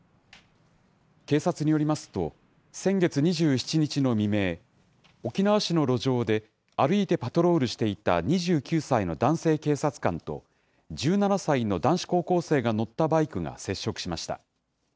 警察によりますと、先月２７日の未明、沖縄市の路上で、歩いてパトロールしていた２９歳の男性警察官と、１７歳の男子高校生が乗ったバイクが接触しました。